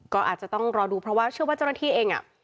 ก็อาจจะต้องรอดูเพราะว่าเชื่อว่าเจ้าหน้าที่เอง